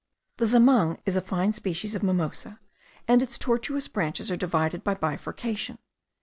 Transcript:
The zamang is a fine species of mimosa, and its tortuous branches are divided by bifurcation.